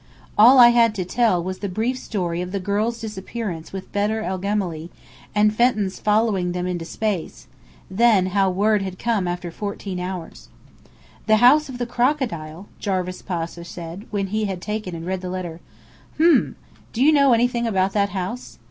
All I had to tell was the brief story of the girls' disappearance with Bedr el Gemály, and Fenton's following them into space; then, how word had come after fourteen hours. "The House of the Crocodile," Jarvis Pasha said, when he had taken and read the letter. "H'm! Do you know anything about that house?"